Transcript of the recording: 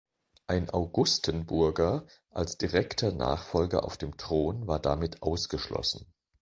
Ein Augustenburger als direkter Nachfolger auf dem Thron war damit ausgeschlossen.